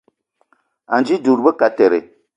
Anji dud be kateré